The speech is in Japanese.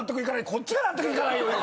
こっちが納得いかないよ！